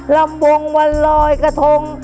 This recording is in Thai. ลำวงวันลอยกระทง